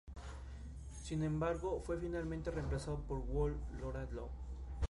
Sin embargo, fue finalmente reemplazado por "Whole Lotta Love".